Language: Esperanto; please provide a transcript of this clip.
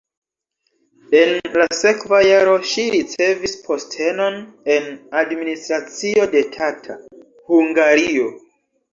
En la sekva jaro ŝi ricevis postenon en administracio de Tata (Hungario).